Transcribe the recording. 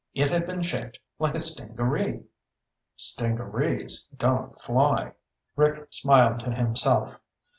It had been shaped like a stingaree. Stingarees don't fly. Rick smiled to himself.